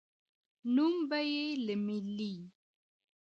نوم به یې له ملي